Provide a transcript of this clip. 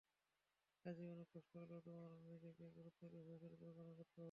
কাজেই অনেক কষ্ট হলেও তোমার নিজেকে গুরুত্ব দিয়ে ভবিষ্যতের পরিকল্পনা করতে হবে।